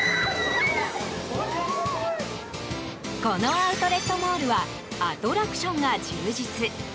このアウトレットモールはアトラクションが充実。